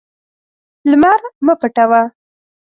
لمر مه پټوه.